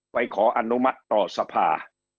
ขออนุมัติต่อสภา